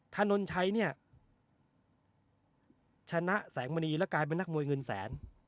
ถนนชัยเนี่ยชนะแสงมณีและกลายเป็นนักมวยเงินแสน